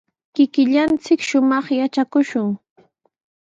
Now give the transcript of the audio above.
Kikillanchik shumaq yatrakushun.